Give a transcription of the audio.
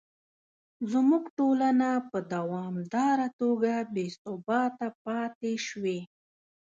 زموږ ټولنه په دوامداره توګه بې ثباته پاتې شوې.